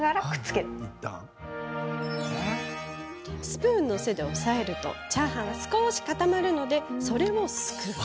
スプーンの背で押さえるとチャーハンは少し固まるのでそれをすくう。